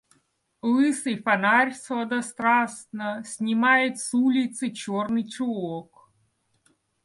Лысый фонарь сладострастно снимает с улицы черный чулок.